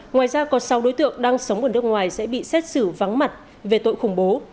ngoài ra còn sáu đối tượng đang sống ở nước ngoài sẽ bị xét xử vắng mặt về tội khủng bố